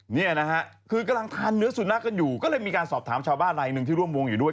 เนี่ยนะฮะคือกำลังทานเนื้อสุนัขกันอยู่ก็เลยมีการสอบถามชาวบ้านรายหนึ่งที่ร่วมวงอยู่ด้วย